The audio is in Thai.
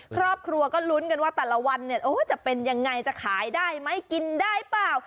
ครอบครัวก็ลุ้นกันว่าแต่ละวันเนี่ยจะเป็นยังไงจะขายได้ไหมกินได้เปล่า